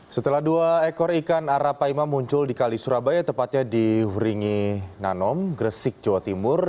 setelah dua ekor ikan arapaima muncul di kali surabaya tepatnya di huringi nanom gresik jawa timur